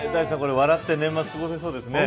笑って年末が過ごせそうですね。